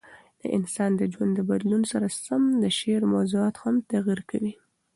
د انسان د ژوند د بدلون سره سم د شعر موضوعات هم تغیر کوي.